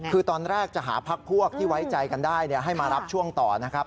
คือตอนแรกจะหาพักพวกที่ไว้ใจกันได้ให้มารับช่วงต่อนะครับ